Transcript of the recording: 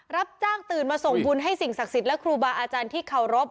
รับจ้างตื่นมาส่งบุญให้สิ่งศักดิ์สิทธิ์และครูบาอาจารย์ที่เคารพ